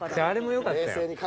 あれもよかったよ。